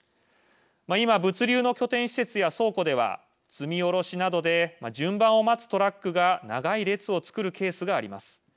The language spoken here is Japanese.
今物流の拠点施設や倉庫では積み下ろしなどで順番を待つトラックが長い列を作るケースがあります。